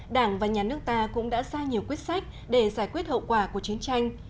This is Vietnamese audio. đảng và nhà nước ta cũng đã ra nhiều quyết sách để giải quyết hậu quả của chiến tranh